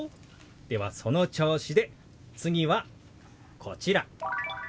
ではその調子で次はこちら。